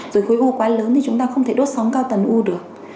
rồi khối u quá lớn thì chúng ta không thể đốt sóng cao tần u được